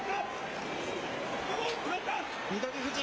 翠富士。